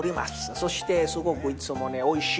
そしてすごくいつもねおいしい。